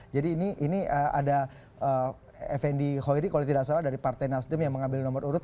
jadi ini ada fnd hoiri kalau tidak salah dari partai nasdem yang mengambil nomor urut